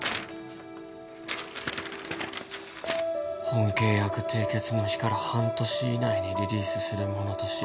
「本契約締結の日から半年以内にリリースするものとし、」